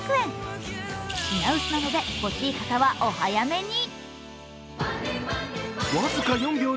品薄なので欲しい方はお早めに。